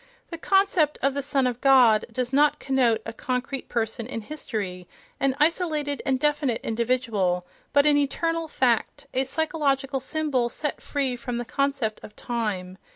The concept of "the Son of God" does not connote a concrete person in history, an isolated and definite individual, but an "eternal" fact, a psychological symbol set free from the concept of time.